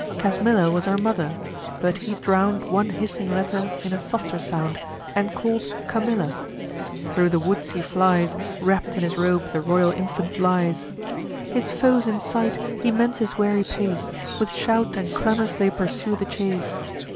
Casmilla was her mother; but he drown'd One hissing letter in a softer sound, And call'd Camilla. Thro' the woods he flies; Wrapp'd in his robe the royal infant lies. His foes in sight, he mends his weary pace; With shout and clamours they pursue the chase.